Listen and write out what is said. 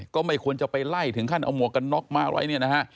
ก็ไม่ควรจะไปไล่ถึงขั้นเอาหมวกกันน็อกมาไว้เนี่ยนะฮะ